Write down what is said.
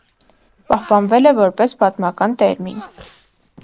Պահպանվել է որպես պատմական տերմին։